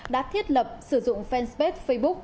đã thiết lập sử dụng fanpage facebook